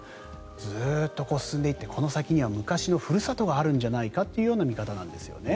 ずっと進んでいってこの先には昔のふるさとがあるんじゃないかという見方なんですよね。